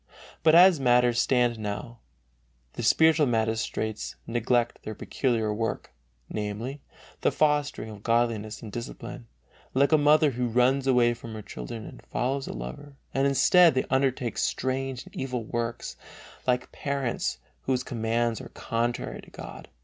But as matters stand now the spiritual magistrates neglect their peculiar work, namely, the fostering of godliness and discipline, like a mother who runs away from her children and follows a lover, and instead they undertake strange and evil works, like parents whose commands are contrary to God.